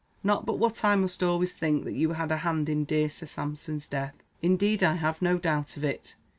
Not but what I must always think that you had a hand in dear Sir Sampson's death. Indeed, I have no doubt of it.